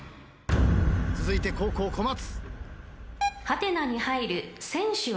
続いて後攻小松。